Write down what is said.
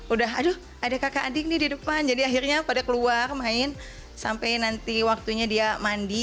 udah aduh ada kakak adik nih di depan jadi akhirnya pada keluar main sampai nanti waktunya dia mandi